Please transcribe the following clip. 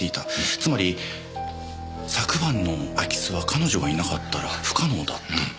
つまり昨晩の空き巣は彼女がいなかったら不可能だった。